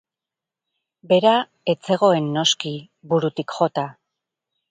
Bera ez zegoen noski burutik jota.